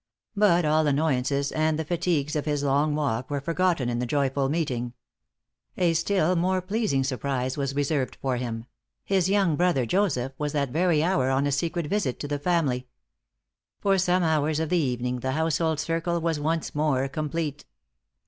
But all annoyances, and the fatigues of his long walk, were forgotten in the joyful meeting. A still more pleasing surprise was reserved for him; his young brother, Joseph, was that very hour on a secret visit to the family. For some hours of the evening the household circle was once more complete.